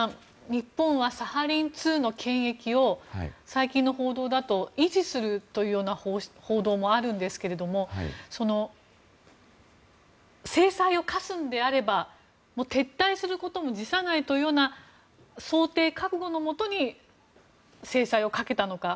日本はサハリン２の権益を最近の報道だと、維持するという報道もあるんですが制裁を科すのであれば撤退することも辞さないという覚悟のもとに制裁をかけたのか。